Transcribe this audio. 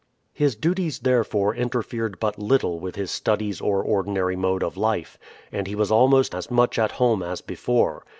His duties, therefore, interfered but little with his studies or ordinary mode of life, and he was almost as much at home as before.